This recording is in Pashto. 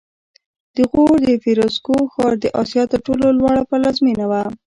د غور د فیروزکوه ښار د اسیا تر ټولو لوړ پلازمېنه وه